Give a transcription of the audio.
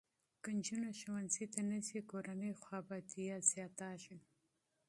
که نجونې ښوونځي ته نه ځي، کورني اختلافات دوام کوي.